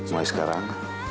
mau ya sekarang